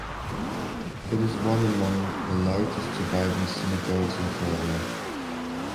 It is one among the largest surviving synagogues in Kerala.